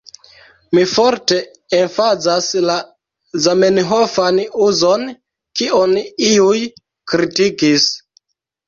Mi forte emfazas la Zamenhofan uzon, kion iuj kritikis.